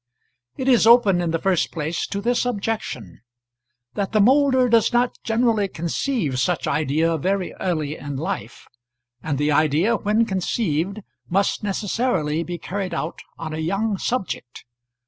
It is open, in the first place, to this objection, that the moulder does not generally conceive such idea very early in life, and the idea when conceived must necessarily be carried out on a young subject.